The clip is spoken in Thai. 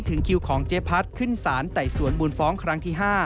ถึงคิวของเจพัฒน์ขึ้นศาลใต้สวนบูนฟ้องครั้งที่๕